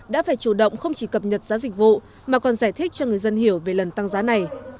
đã phải chủ động không chỉ cập nhật giá dịch vụ mà còn giải thích cho người dân hiểu về lần tăng giá này